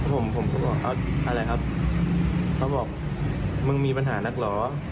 ผมผมก็บอกเอาอะไรครับเขาบอกมึงมีปัญหานักเหรอ